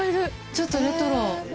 ちょっとレトロ。